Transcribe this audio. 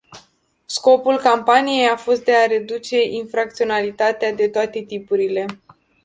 Scopul campaniei a fost de a reduce infracționalitatea de toate tipurile.